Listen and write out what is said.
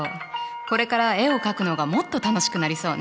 これから絵を描くのがもっと楽しくなりそうね。